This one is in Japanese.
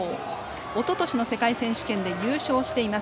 おととしの世界選手権で優勝しています。